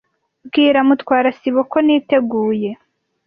Bwira Mutwara sibo ko niteguye.